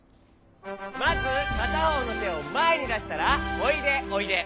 まずかたほうのてをまえにだしたらおいでおいで。